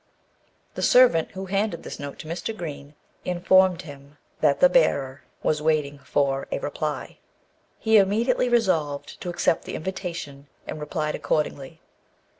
The servant who handed this note to Mr. Green, informed him that the bearer was waiting for a reply. He immediately resolved to accept the invitation, and replied accordingly.